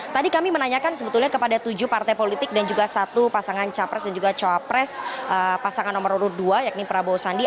tadi kami menanyakan sebetulnya kepada tujuh partai politik dan juga satu pasangan capres dan juga cawapres pasangan nomor urut dua yakni prabowo sandi